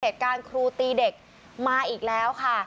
เหตุการณ์ครูตีเด็กมาอีกแล้วค่ะ